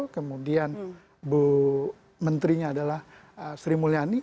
kemudian bu menterinya adalah sri mulyani